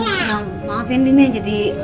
ya ampun maafin nih nih jadi